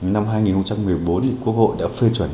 năm hai nghìn một mươi bốn quốc hội đã phê chuẩn